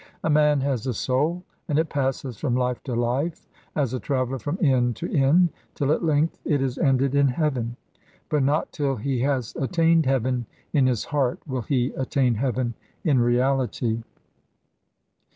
A man has a soul, and it passes from life to life, as a traveller from inn to inn, till at length it is ended in heaven. But not till he has attained heaven in his heart will he attain heaven in reality.